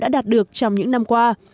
đạt được trong những năm qua